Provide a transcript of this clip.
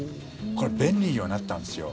これ、便利にはなったんですよ。